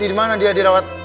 di mana dia dirawat